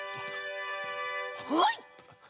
はい！